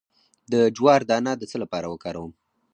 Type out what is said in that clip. د جوار دانه د څه لپاره وکاروم؟